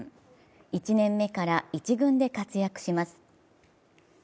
１年目から１軍で活躍します。